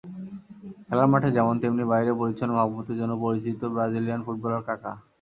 খেলার মাঠে যেমন, তেমনি বাইরেও পরিচ্ছন্ন ভাবমূর্তির জন্য পরিচিত ব্রাজিলিয়ান ফুটবলার কাকা।